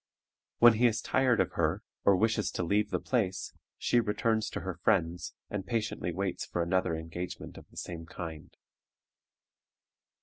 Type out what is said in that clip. When he is tired of her, or wishes to leave the place, she returns to her friends, and patiently waits for another engagement of the same kind.